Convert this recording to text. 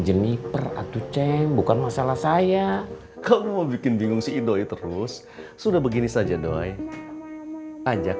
jeniper atuh ceng bukan masalah saya kamu bikin bingung sih doi terus sudah begini saja doi ajak